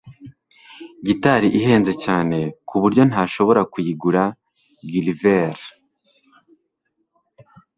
gitari ihenze cyane kuburyo ntashobora kuyigura gulliver